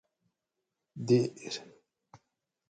دیر